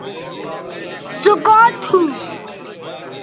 سو کاں تھو